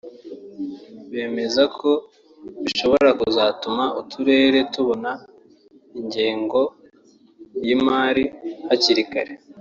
bemeza ko bishobora kuzatuma uturere tubona ingengo y’imari hakiri kare